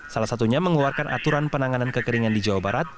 salah satunya mengeluarkan aturan penanganan kekeringan di jawa barat